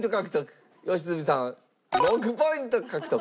良純さん６ポイント獲得。